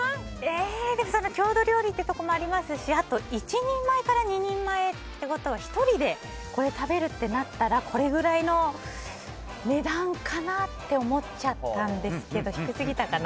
郷土料理というのもありますしあと１人前から２人前ってことは１人でこれ食べるってなったらこれぐらいの値段かなって思っちゃったんですけど低すぎたかな。